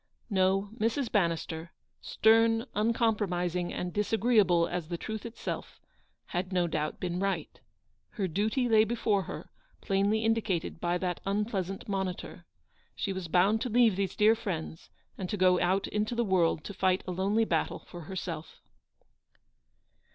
No, Mrs. Bannister — stern, uncompromising, and disagreeable as the truth itself — had no doubt been right. Her duty lay before her, plainly indicated by that unpleasant monitor. She was bound to leave these dear friends, and to RICHARD THORNTON'S PROMISE. 219 go out into the world to fight a lonely battle for herself.